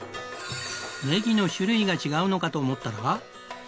ねぎの種類が違うのかと思ったら。